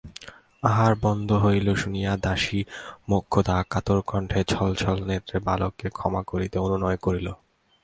আহার বন্ধ হইল শুনিয়া দাসী মোক্ষদা কাতরকণ্ঠে ছলছলনেত্রে বালককে ক্ষমা করিতে অনুনয় করিল।